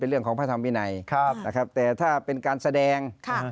เป็นเรื่องของภาธรรมวินัยแต่ถ้าเป็นการแสดง